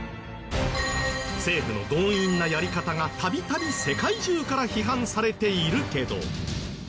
政府の強引なやり方が度々世界中から批判されているけど。